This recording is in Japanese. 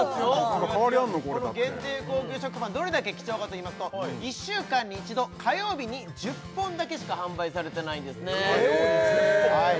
これだってこの限定高級食パンどれだけ貴重かといいますと１週間に一度火曜日に１０本だけしか販売されてないんですねえっ